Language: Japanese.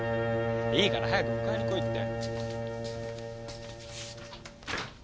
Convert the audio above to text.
いいから早く迎えに来いって。